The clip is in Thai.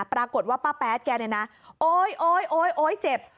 ปรากฏว่าป้าแป๊ดแกนี่นะโอ๊ยเจ็บ